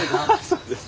そうです。